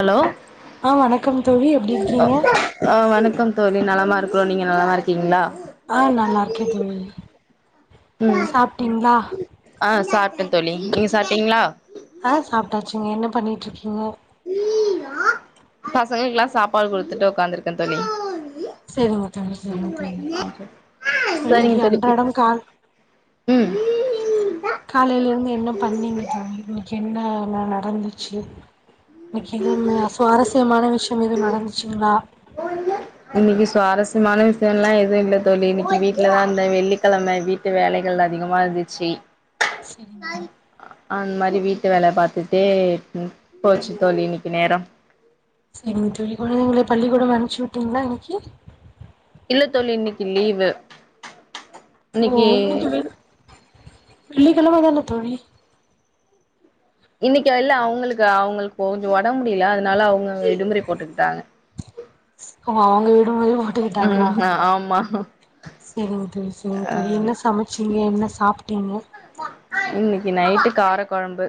Hello ஆ வணக்கம் தோழி எப்டி இருக்கீங்க ஆ வணக்கம் தோழி நலமா இருக்கறோ நீங்க நலமா இருக்கீங்களா ஆ நல்லா இருக்கே தோழி ம் சாப்ட்டீங்களா ஆ சாப்டே தோழி நீங்க சாப்ட்டீங்களா ஆ சாப்ட்டாச்சுங்க என்ன பண்ணிட்டிருக்கீங்க பசங்களுக்கெல்லா சாப்பாடு குடுத்துட்டு உக்காந்துருக்கே தோழி செரிங்க தோழி செரிங்க தோழி சரிங்க இன்னைக்கு தோழி அன்றாடம் கால் ம் காலயல இருந்து என்ன பண்ணீங்க தோழி இன்னைக்கு என்னன்ன நடந்துச்சு இன்னைக்கு எது சுவாரஸ்யமான விஷயம் எதுவு நடச்சுங்களா இன்னைக்கு சுவாரஸ்யமான விஷய எல்லா எதுவு இல்ல தோழி இன்னைக்கு வீட்லதா இருந்த வெள்ளிக்கிழமை வீட் வீட்டு வேலைகள் அதிகமா இருந்துச்சி செரிங்க அந்த மாரி வீட்டு வேல பாத்துட்டே போச்சு தோழி இன்னைக்கு நேரம் சரிங் தோழி குழந்தைகளை பள்ளிக்கூடம் அனுச்சி விட்டீங்களா இன்னைக்கு இல்ல தோழி இன்னைக்கு லீவு ஓ இன்னைக்கு [unintelligible] வெள்ளி கிழமதானே தோழி இன்னைக்கு இல்ல அவுங்ளுக்கு அவங்ளுக்கு கொஞ்ச ஒடம்பு முடில அதனால அவுங்க விடுமுறை போட்டுக்கிட்டாங்க அவங்க விடும் போது வாட் ம் ஆமா செரிங்க தோழி செரிங்க தோழி என்ன சமைச்சீங்க என்ன சாப்ட்டீங்க இன்னக்கி நைட்டு கார கொழம்பு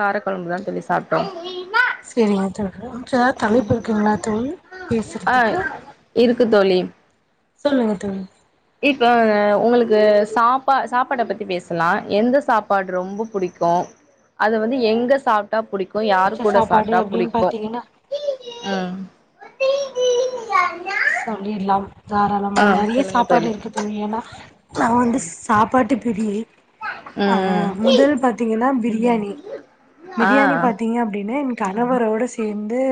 கார கொழம்பு தா தோழி சாப்ட்டோ செரிங்க தோழி எதாது தலைப்பு இருக்குங்ளா தோழி ஆ பேசுறதுக்கு இருக்கு தோழி சொல்லுங்க தோழி இப்ப ஒங்களுக்கு சாப் சாப்பாட பத்தி பேசலா எந்த சாப்பாடு ரொம்ப புடிக்கு அது வந்து எங்க சாப்டா புடிக்கு யாரு புடிச்ச கூட சாப்பாடு சாப்டா அப்டின்னு புடிக்கு பாத்தீங்கன்னா ம் சொல்லிட்லாம் தாராளமா ஆ நெறைய சொல்லுங்க சாப்பாடு இருக்கு தோழி ஏன்னா நா வந்து சாப்பாட்டு பிரியை ஆ ம் முதல் பாத்தீங்கன்னா பிரியாணி ஆ பிரியாணி பாத் தீங்க அப்டின்னா ஏ கணவரோட சேந்து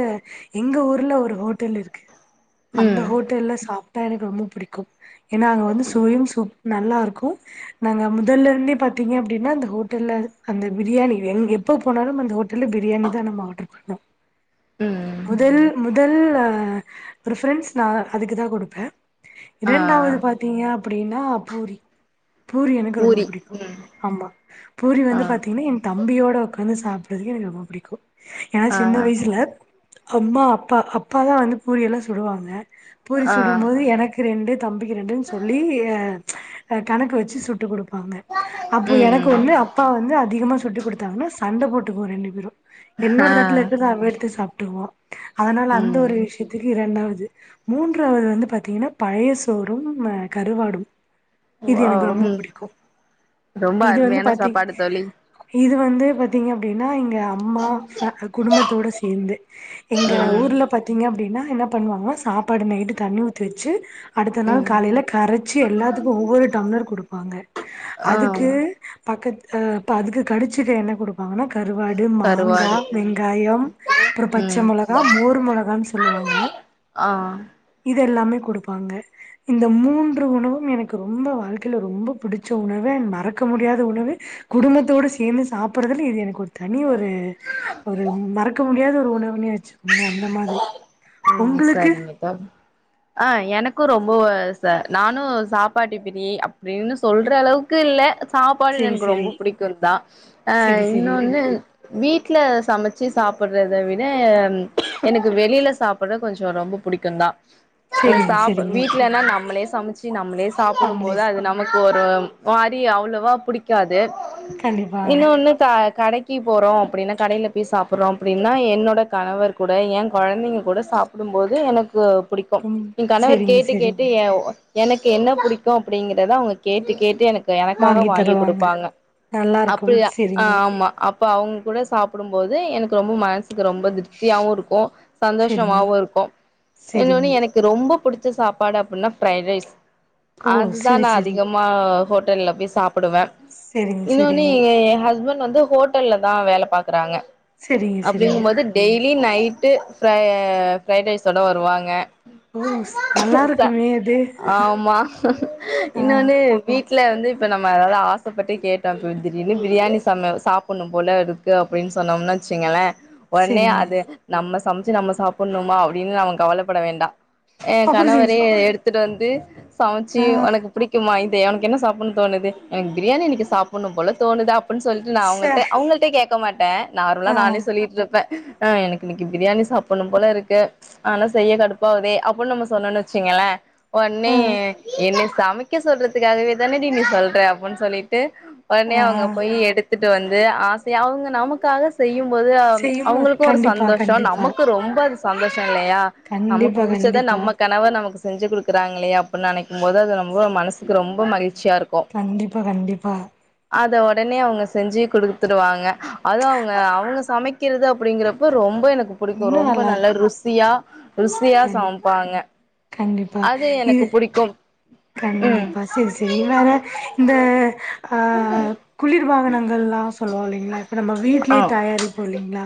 எங்க ஊர்ல ஒரு ஹோட்டல் இருக்கு அந்த ம் ஹோட்டல்ல சாப்ட்டா எனக்கு ரொம்ப புடிக்கு ஏன்னா அங்க வந்து சுவையு சூப் நல்லா இருக்கு நாங்க முதல்ல இருந்தே பாத்தீங்க அப்டின்னா அந்த ஹோட்டல்ல அந்த பிரியாணி எங்க எப்ப போனாலும் அந்த ஹோட் டல்ல பிரியாணிதா நம்ம ஆடர் பண்ணோ ம் முதல் முதல்ல ப்ரீபரன்ஸ் நா அதுக்கு தா குடுப்பே ஆ இரண்டாவது பாத்தீங்க அப்டின்னா பூரி பூரி எனக்கு ரொம்ப புடிக்கு ஆமா பூரி வந்து ஆ பாத்தீங்கன்னா ஏ தம்பியோட ஒக்காந்து சாப்ட்றதுக்கு எனக்கு ரொம்ப புடிக்கு ஏன்னா ஆ சின்ன வயசுல அம்மா அப்பா அப்பாதா வந்து பூரி எல்லா சுடுவாங்க பூரி ஆ சுடும் போது எனக்கு ரெண்டு தம்பிக்கு ரெண்டுன்னு சொல்லி கணக்கு வச்சி சுட்டு குடுப் பாங்க அப்போ எனக்கு ம் ம் வந்து அப்பா வந்து அதிகமா சுட்டு குடுத்தாங்கன்னா சண்ட போட்டுக்குவோ ரெண்டு பேரு என்னோட ஆ தட்டுல இருக்கிறத அவே எடுத்து சாப்ட்டுகுவா அதனால அந்த ம் ஒரு விஷயத்துக்கு இரண்டாவது மூன்றாவது வந்து பாத்தீங்கன்னா பழைய சோறும் கருவாடும் இது எனக்கு வாவ் ரொம்ப ம் புடிக்கு ரொம்ப இது வந்து அருமையான பாத்தீங்க சாப்பாடு தோழி இது வந்து பாத்தீங்க அப்டின்னா இங்க அம்மா ஃபே குடும்பத்தோட சேந்து எங்க ம் ஊர்ல பாத்தீங்க அப்டின்னா என்ன பண்ணுவாங்கன்னா சாப்பாடு நைட்டு தண்ணி ஊத்தி வச்சு அடுத்த நாள் ம் காலேல கரச்சி எல்லாத்துக்கு ஒவ்வொரு டம்ளர் குடுப்பாங்க ஆ அதுக்கு பக்கத் இப்ப அதுக்கு கடிச்சிக்க என்ன குடுப்பாங்கன்னா கருவாடு மாங்கா கருவாடு வெங்காயம் அப்பற ம் பச்ச மொளகா மோர் மொளகான்னு சொல்லுவாங்க ஆ இதெல்லாமே குடுப்பாங்க இந்த மூன்று உணவும் எனக்கு ரொம்ப வாழ்க்கையில ரொம்ப பிடிச்ச உணவு மறக்க முடியாத உணவு குடும்பத்தோடு சேந்து சாப்ட்றதுல இது எனக்கு ஒரு தனி ஒரு ஒரு மறக்க முடியாத ஒரு உணவுன்னே வச்சுக்கோங்களே அந்த மாதிரி ம் உங்களுக்கு சரிங்க தோழி ஆ எனக்கு ரொம்ப ச நானு சாப்பாட்டு பிரியை அப்டின்னு சொல்ற அளவுக்கு இல்ல சாப்பாடு செரி எனக்கு செரி ரொம்ப புடிக்குந்தா ஆ செரி செரி இன்னொன்னு வீட்ல சமைச்சி சாப்புட்றத விட எனக்கு வெளில சாப்புட கொஞ்ச ரொம்ப புடிக்குந்தா இது செரிங்க சாப் செரிங்க வீட்லன்னா நம்மளே சமைச்சி நம்மளே சாப்டும் போது கம்பனேஸ் அது நம் நமக்கு ஒரு மாரி அவ்ளவா புடிக்காது கண்டிப்பா இன்னோன்னு த்தா கடைக்கி போறோ அப்டின்னா கடேல போய் சாப்புட்றோ அப்டின்னா என்னோட கணவர் கூட என் கொழந்தைங்க கூட சாப்டும் போது எனக்கு புடிக்கு ம் ஏ கணவர் செரிங்க கேட்டு கேட்டு செரிங்க எனக்கு என்ன புடிக்கு அப்டிங்கிறத அவங்க கேட்டு கேட்டு எனக்கு எனக்காக வாங்கி குடுப்பாங்க நல்லா இருக்கும் அப்டியா ஆ செரிங்க ஆமா அப் இப்ப அவுங் கூட சாப்டும்போது எனக்கு ரொம்ப மனசுக்கு ரொம்ப திருப்தியாவு இருக்கு செரிங்க சந்தோஷமாவு இருக்கு இன்னொன்னு செரிங்க எனக் என்கு ரொம்ப புடிச்ச சாப்பாடு அப்டின்னா ஃப்ரைட் ரைஸ் ஓ அதுதா செரி நா செரி அதிகம் மா ஹோட்டல்ல போய் சாப்புடுவே செரிங்க இன்னொன்னு செரிங்க எ ஹஸ்பண்ட்டு வந்து ஹோட் டல்லதா வேல பாக்குறாங்க செரிங்க செரிங்க அப்டிங்கும்போது டெய்லி நைட்டு ஃப்ர ஃப்ரைட் ரைஸோட வருவாங்க ஓ நல்லா ச இருக்குமே அது ஆமா ஆ இன்னோன்னு வீட்ல வந்து இப்ப நம்ம எதாது ஆசப்பட்டு கேட்டா இப்போ திடிர்னு பிரியாணி சம சாப் புட்னும்போல இருக்கு அப்டின் சொன்னோம்னா வெச்சுங்கள உடனே செரிங்க அது நம்ம சமச்சி நம்ம சாப்பட்ணுமா அப்டின் நம்ம கவலப்பட வேண்டா எ அப்புறோ கணவரே செஞ்சு எடுத்துட்டு வந்து சமச்சி ஆ உனக்கு புடிக்குமா இது உனக்கு என்ன சாப்பட்ணு தோணுது எனக்கு பிரியாணி இன்னிக்கு சாப்புட்ணு போல தோணுது அப் அப்புன் சொல்ட்டு நா சே அவுங்கள்ட்ட அவுங்கள்ட கேக்க மாட்ட நார்மலா ஆ நானே சொல்லிட்டு இருப்பே ஆ எனக்கு இன்னிக்கு பிரியாணி சாப்பட்ணும்போல இருக்கு ஆனா செய்ய கடுப்பாகுதே அப்புன் நம்ம சொன்னோன் வெச்சீங்களே உட்னே ஆ என்னைய சமைக்க சொல்றதுக்காகவேதானடி நீ சொல்ற அப்டின் சொல்லிட் ட்டு உடனே ஆ அவுங்க போய் எடுத்துட்டு வந்து ஆசயா அவுங்க நமக்காக செய்யும்போது செய்யும்போ அவுங்களுக்கு ஒரு கண்டிப்பா சந்தோஷோ கண்டிப்பா நமக்கு ரொம்ப அது சந்தோஷோ இல்லையா நமக்கு கண்டிப்பா புடிச்சத கண்டிப்பா நம்ம கணவர் நமக்கு செஞ்சி குடுக்குறாங்களே அப்டின் நனைக்கும்போது அது ரொம்ப மனசுக்கு ரொம்ப மகிழ்ச்சியா இருக்கு கண்டிப்பா கண்டிப்பா அத உடனே அவுங்க செஞ்சி குடுத்துருவாங்க அதுவு அவுங்க அவுங்க சமைக் பக்கிறது அப்டிங்கறப்போ ரொம்ப எனக்கு பிடிக்கு இன்னு ரொம்ப நல்லா நல்ல இருக்கு ருசி சியா ருசியா கண் சமைப்பாங்க கண்டிப்பா அது எனக்கு இது புடிக்கும் ம் கண்டிப்பா செரி செரி வேற இந்த ஆ குளிர் பாகனங்கள்லா சொல்லுவாங் இல்லிங்ளா இப்ப நம்ம ஆ வீட்லயே தயாரிப்போ இல்லிங்ளா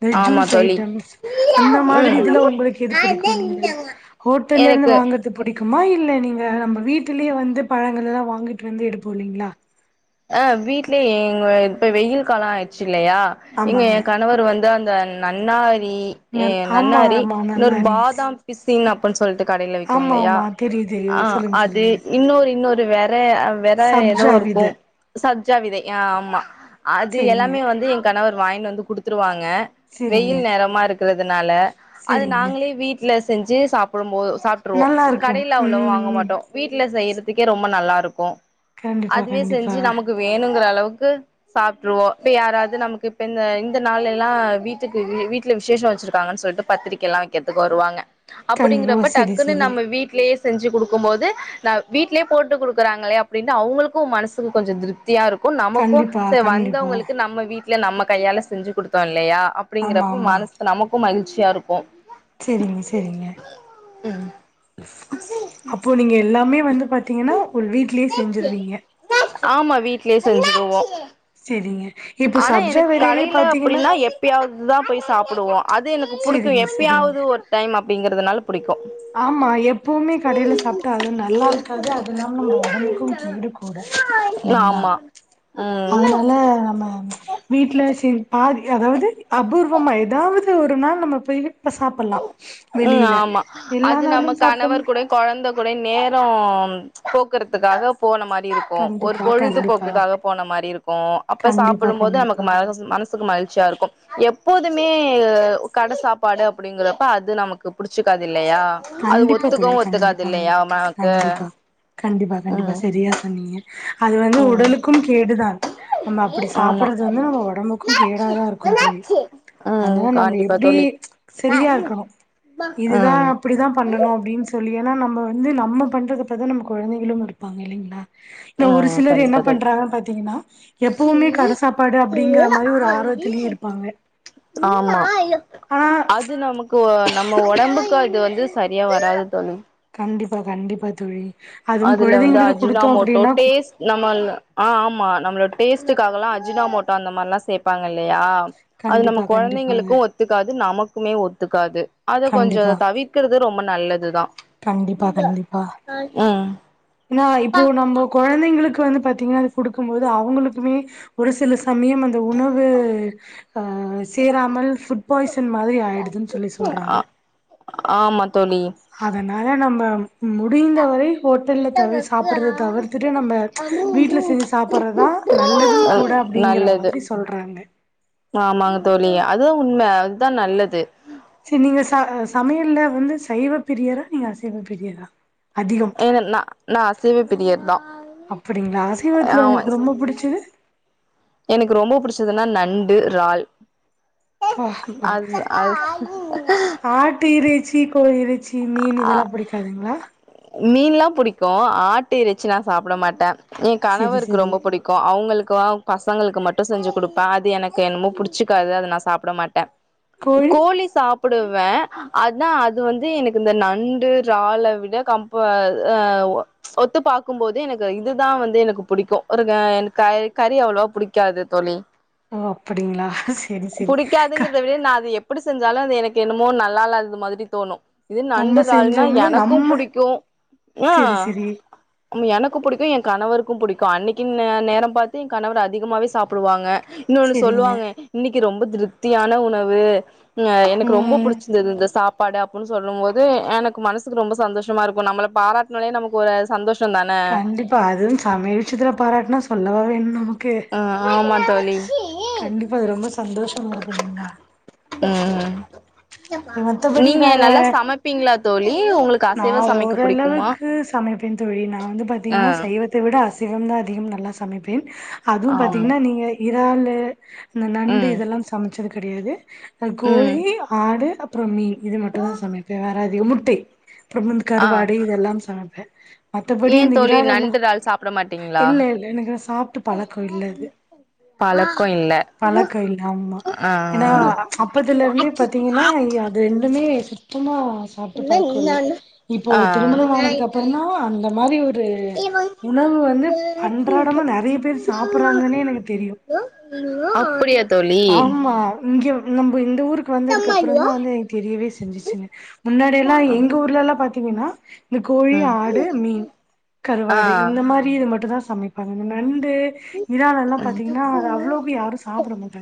இந்த ஆமா ஜூஸ் தோழி ஐட்டம்ஸ் அந்த மாரி ம் இதுல உங்களுக்கு எது புடிக்கும் நீங்க ஹோட்டல்ல இருந்து எனக்கு வாங்க இது புடிக்குமா இல்ல நீங்க நம்ம வீட்லயே வந்து பழங்கள்லா வாங்கிட்டு வந்து எடுப்போ இல்லிங்களா அ வீட்லயே எங்க இப்ப வெயில் காலோ ஆய்ருச்சி இல்லியா இங்க எ ஆமாங்க. கணவரு வந்தா அந்த நன்னாரி எ நல் ஆமா, நன்னாரி ஆமா. இன்னொரு நன்னாரிஸ். பாதாம் பிசின் அப்டின் சொல்ட்டு கடைல் விக்கு ஆமா, இல்லியா ஆமா. தெரியும், ஆ தெரியும். சொல்லுங்க, அது சொல்லுங்க. இன்னொரு இன்னொரு ஒரு வேற வேற எதோ சப்ஜா இருக்கு வித. சப்ஜா விதை ஆ ஆமா அது சரிங்க, எல்லாமே வந்து எ கணவர் வாய்ங்னு வந்து குடுத்துருவாங்க சரிங்க, வெயில் நேரமா இருக்கறதுனால அது சரிங்க. நாங்களே வீட்ல செஞ்சு சாப்படும் போது சாப்ட்ருவோ நல்லா இருக்கும். கடைல அவ்ளோவா ம், வாங்க ம். மாட்டோ வீட்ல செய்யறதுக்கே ரொம்ப நல்லா இருக்கு கண்டிப்பா கண்டிப்பா சு நமக்கு வேணுங்கற அளவுக்கு சாப்ட்ருவோ இப்ப யாராவது நமக்கு இப்ப இந்த இந்த நாள் எல்லா வீட்டுக்கு வீட்ல விசேஷோ வெச்சிருக்காங்கன் சொல்ட்டு பத்திரிக்கைலா வெக்கறதுக்கு வருவாங்க கண் ஓ அப்டிங்கிறப்ப செரி டக்குன்னு செரி நம்ம வீட்லயே செஞ்சி குடுக்கும்போது நா வீட்லயே போட்டு குடுக்குறாங்களே அப்டின்னு அவுங்களுக்கு மனசுக்கு கொஞ்சோ திருப் தியா இருக்கு நமக்கு கண்டிப்பா செர் கண்டிப்பா வந்தவங்களுக்கு நம்ம வீட்ல நம்ம கையால செஞ்சி குடுத்தோ இல்லியா ஆமா அப்டிங்கறப்ப ஆமா மனசுக்கு நமக்கும் மகிழ்ச்சியா இருக்கு செரிங்க செரிங்க ம் அப்போ நீங்க எல்லாமே வந்து பாத்தீங்கன்னா உ வீட்லேயே செஞ்சிருவீங்க ஆமா வீட்லயே செஞ்சுருவோ சேரிங்க இப்ப சப்ஜா வெதையவே பாத்தீங்கன்னா எப்யாவது தா போய் சாப்பிடுவோ அது எனக்கு புடிக்கு செரிங்க செரிங்க எப்பயாவது ஒரு டைம் அப்டிங்கறதுனால பிடிக்கு ஆமா எப்வுமே கடயில சாப்பிட்டா அது நல்லா இருக்காது அது இல்லாம நம்ம உடம்புக்கு கேடு கூட இல்லேங்களா ஆமா ம் அதனால நம்ம வீட்ல சேர் பாதி அதாவது அபூர்வமா ஏதாவது ஒரு நாள் நம்ம போய் இப்ப சாப்பிடலா ம் ஆமா அது நம்ம கணவர் சாப்ட்டோம்னா கூட குழந்த கூட நேரம் போக்குறத்துக்காக போன மாரி இருக்கு க்கு ஒரு கண்டிப்பா கண்டிப்பா பொழுதுபோக்குக்காக போன மாரி இருக்கு அப்ப கண்டிப்பா சாப்பிடுபோது நமக்கு கண்டிப்பா மனசு மனசு [unintelligible] மகிழ்ச்சியா இருக்கு எப்போதுமே கட சாப்பாடு அப்டிங்கறப்ப அது அது நமக்கு புடிச்சக்கது இல்லயா அது கண்டிப்பா தோழி ஒத்துக்கவு ஒத்துக்கது கண்டிப்பாங்க இல்லயா நமக்கு கண்டிப்பா கண்டிப்பா கண்டிப்பா ம் சரியா சொன்னீங்க அது வந்து ம் உடலுக்கு கேடுதா நம்ம அப்டி ஆமா சாப்டுறது வந்து நம்ம உடம்புக்கு கேடாதா இருக்கு தோழி ம் அதனால நம்ம கண்டிப்பா எப்டி சேரியா இருக்கணு ஆஹ இப்டிதா பண்ணணு அப்டின்னு சொல்லி ஏன்னா நம்ம வந்து நம்ம பண்றதுப்பதா நமக்கு குழந்தைகளு முடிப்பாங்க இல்லேங்களா ஒரு ம் சிலர் என்ன கண்டிப்பா தோழி பண்றாங்கன்னு பாத்தீங்கன்னா எப்வுமே கட சாப்பாடு அப்டிங்கற மாறி ஒரு ஆர்வத்திலயே இருப் பாங்க ஆமா [unintelligible] அது நமக்கு இப்ப நம்ம உடம்புக்கு அது வந்து சரியா வராது தோழி கண்டிப்பா கண்டிப்பா தோழி அதுவு அதுல வந்து குழந்தைங்களுக்கு குடுத்தோ அஜினாமோட்டோ அப்டின்னா டேஸ்ட் நம்ம ஆ ஆமா நம்மளோ டேஸ்ட்டுக்காகல்லா அஜினா மோட்டோ அந்த மாதிரில்லா சேப்பாங்க இல்லயா அது நம கண்டிப்பா கண்டிப்பாங்க குழந்தைங்களுக்கு ஒத் ஒத்துக்காது நமக்குமே ஒத்துக்காது அத கொஞ்சோ கண்டிப்பா தவிர்க்கறது ரொம்ப நல்லதுதா கண்டிபா கண்டிபா ம் என்னா இப்ப நம்ம குழந் புள்ளைகளுக்கு வந்து பாத்தீங்கன்னா கொடுக்குபோது அவங்களுக்குமே ஒரு சில சமய வந் இந்த உணவு சேராம ஃபுட் பாய்ச மாரி ஆயிடுதுன்னு சொல்லி ஆ சொல்றாங்க ஆமா தோழி அதனால நம்ம முடிந்த வரை ஹோட்டல்ல தவிர சாப்பிறத தவிர்த்துட்டு நம்ம வீட்ல செஞ்சு சாப்டுறதா நல்லது கூட அப்டிங்கற நல்லது மாரி சொல்றாங்க ஆமாங்க தோழி அதுவு உண்மை அதுதா நல்லது சேரி நீங்க ச சமையல்ல வந்து சைவப்பரியரா இல்ல அசைவப்பரியரா ஏன்னா நா அசைவ பிரிய தா அப்டிங்களா அசைவத்துல ஆமா உங்களுக்கு ரொம்ப புடிச்சது எனக்கு ரொம்ப பிடிச்சதுன்னா நண்டு ரால் பா பா அது அது [unintelligible] இறைச்சி கோழி இறைச்சி மீன் இதெல்லா பிடிக்காதுங்களா மீன்ல்லா புடிக்கு ஆட்டு இறச்சி நா சாப்பிட மாட்டே ஏ செரி கணவருக்கு செரி ரொம்ப பிடிக்கு அவங்களுக்கு பசங்களுக்கு மட்டு செஞ்சு கொடுப்பே அது எனக்கு என்னமோ புடிச்சுக்காது அத நா சாப்ட மாட்டே கோழி சாப்பிடுவே அதா அது வந்து எனக்கு இந்த நண்டு ராள விட கம்பஹ ஒத்து பாக்கு போது எனக்கு இதுதா வந்து எனக்கு பிடிக்கு ஒரு எனக்கு க கறி அவ்ளவா புடிக் காது தோழி ஓ அப்டிங்களா செரி செரி க புடிக்காதுங்கறத விட நா அது எப் எப்டி செஞ்சாலு அது எனக்கு என்னமோ நல்லாஇலாதது மாதிரி தோணு இது நம்ம நண்டுறால்னா செஞ்சோம்னா எனக்கு நம்ம புடிக்கு அ செரி செரி அம் எனக்கு புடிக்கு என் கணவருக்கு புடிக்கு அன்னக்கின் நேரம் பாத்து என் கணவர் அதிகமாவே சாப்டுவாங்க இன்னொன்று செரிங்க சொல்லுவாங்க இன்னக்கி ரொம்ப திருப்தியான உணவு ம் எனக்கு ரொம்ப ம் புடிச்சிருந்தது இந்த சாப்பாடு அப்டின் சொல்லு போது எனக் மனசுக்கு ரொம்ப சந்தோஷமா இருக்கு நம்மள பாராட்னொனே நமக் ஒரு சந்தோஷ தன இப்ப அதுவு சமயல் விஷயத்துல பாராட்னா சொல்லவா வேணு நமக் கே ஆ ஆமா தோழி கண்டிப்பா அது ரொம்ப சந்தோஷமா இருக்கு இல்லிங்ளா ம் மத்தபடி நீங்க நல்லா வேற சமைப்பீங்ளா தோழி உங்களுக் நா ஓரளவுக்கு சமைப்பே தோழி நா வந்து ஆ பாத்தீங்கனா சய்வத் அத்த விட அசைவம் தா அதிகம் நல்லா சமைப்பேன் அதுவும் ஆமா பாத்தீங்கனா நீங்க இறாலு இந்த நண்டு ம் இதெல்லா சமச்சது கடையாது அது ம் கோழி ஆடு அப்புறம் மீன் இது மட்டு தா சமைப்பே வேற அதிகம் முட்டை அப்புறம் ஆ கருவாடு இதெல்லாம் சமைப்ப மத்தபடி ஏன் இந்த தோழி இறால்லல்லா நண்டு இறால் சாப்ட மாட்டீங்களா எனக்கு சாப்ட்டு பழக்கொ இல்ல இது பழக்கோ இல்ல பழக்கயில்ல ஆமா ஆ ஏனா அப்பதுலருந்து பாத்தீங்கனா இத ரெண்டுமே சுத்தமா இல்ல இல்லால்ல இப்போ திருமண ஆனதுக் அப்பற தா அந்த மாரி ஒரு உணவு வந்து அன்றாடமா நெறைய பேரு சாப்ட்றாங்கனே எனக்கு தெரியு அப்புடி அத் ஆமா இங்க நம்ம இந்த ஊருக் வந்ததுக் அப்பறந் தா வந்து எனக்கு தெரியவே செஞ்சிச்சி முன்னாடியெல்லா எங்க ஊர்லல்லா பாத்தீங்கனா இந்த கோழி ம் ஆடு மீன் ஆ கருவாடு இந்த மாரி இது மட்டுந்தா சமப்பாங்க நண்டு இறால்லலா பாத்தீங்னா அது அவ்ளோபி யாரு சாப்ட மாட்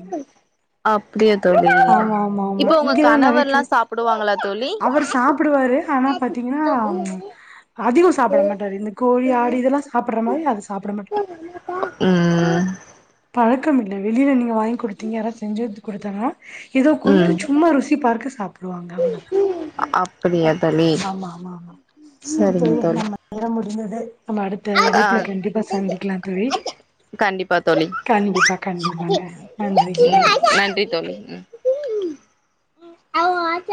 அப்டியா தோழி ஆமா ஆமா ஆமா இப்போ உங்க இங்கதா நறைய க்யு கணவர்லா சாப்டுவாங்களா தோழி அவரு சாப்டுவாரு ஆனா பாத்தீங்கனா அதிகொ சாப்பட மாட்டாரு இந்த கோழி ஆடு இதெல்லா சாப்டற மாரி அத சாப்ட மாட்டா ம் பழக்கமில்ல வெளில நீங்க வாங்கி குடுத்தீங்க யாராது செஞ்சி வந்து குடுத்தாங்கனா இத கொஞ்சோ ம் சும்மா ருசி பார்க்க சாப்டுவாங்க அவ்ளதா அப்டியா தோழி ஆமா ஆமா ஆமா இது தோழி நம்ம நேரோ முடிஞ்சது நம்ம அடுத்த அழைப்புல ஆ கண்டிப்பா சந்திக்லா தோழி கண்டிப்பா தோழி கண்டிப்பா கண்டிப்பாங்க நன்றிங்க ம் நன்றி தோழி ம் ம் அவங்க ஆத்தா